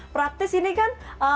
pratis ini kan